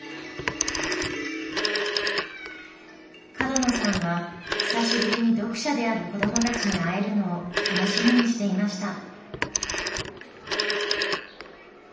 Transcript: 角野さんは久しぶりに読者である子どもたちに会えるのを楽しみにしていました。